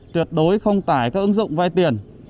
tuyệt đối không tải các ứng dụng vay tiền